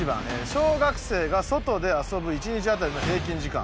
「小学生が外で遊ぶ１日あたりの平均時間」